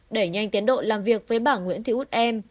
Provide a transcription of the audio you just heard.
đẩy nhanh tiến độ làm việc với bà nguyễn thị út em